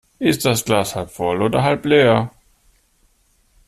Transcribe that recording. Ist das Glas halb voll oder halb leer?